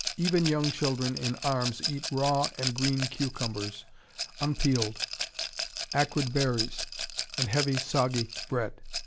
Even young children in arms eat raw and green cucumbers, unpeeled, acrid berries, and heavy, soggy bread.